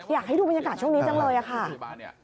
อยากให้ดูบรรยากาศช่วงนี้จังเลยค่ะ